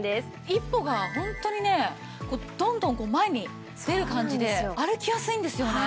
一歩がホントにねどんどん前に出る感じで歩きやすいんですよね。